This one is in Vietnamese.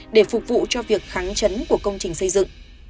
để phục vụ cho việc kháng chấn của công trình xây dựng